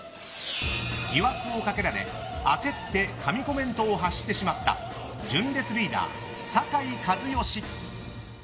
疑惑をかけられ、焦って神コメントを発してしまった純烈リーダー、酒井一圭。